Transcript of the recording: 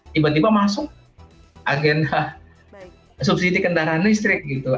tiba tiba masuk agenda subsidi kendaraan listrik gitu